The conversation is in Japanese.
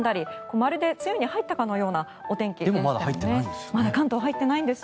まるで梅雨に入ったかのようなお天気でしたね。